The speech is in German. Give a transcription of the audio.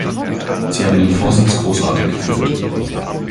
Sie haben den Vorsitz großartig geführt.